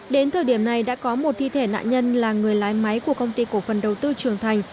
đến thời điểm này đã có một thi thể nạn nhân là người lái máy của công ty cổ phần đầu tư trường thành